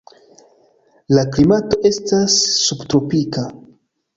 La klimato estas subtropika.